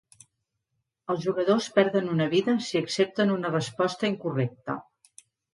Els jugadors perden una vida si accepten una resposta incorrecta.